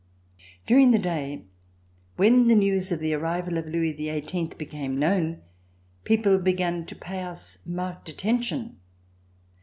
During the day, when the news of the arrival of Louis XVIII became known, people began to pay us marked attention.